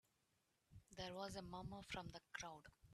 There was a murmur from the crowd.